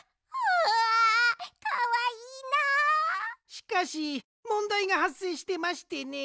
しかしもんだいがはっせいしてましてね。